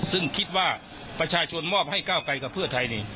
ซึ่งคิดว่าประชาชนมอบให้ก้าวไกลกับเพื่อไทยนี่